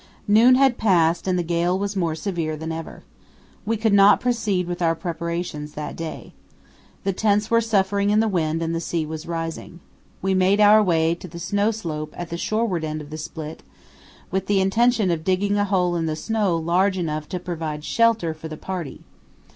Noon had passed and the gale was more severe than ever. We could not proceed with our preparations that day. The tents were suffering in the wind and the sea was rising. We made our way to the snow slope at the shoreward end of the spit, with the intention of digging a hole in the snow large enough to provide shelter for the party.